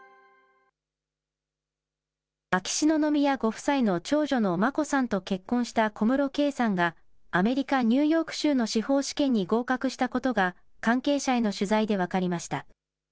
秋篠宮ご夫妻の長女の眞子さんと結婚した小室圭さんが、アメリカ・ニューヨーク州の司法試験に合格したことが、関係者への取材で分かりました。